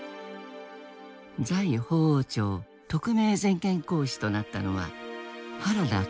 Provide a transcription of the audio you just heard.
在法王庁特命全権公使となったのは原田健。